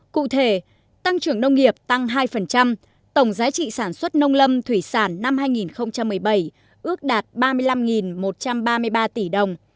cụ thể tăng trưởng nông nghiệp tăng hai tổng giá trị sản xuất nông lâm thủy sản năm hai nghìn một mươi bảy ước đạt ba mươi năm một trăm ba mươi ba tỷ đồng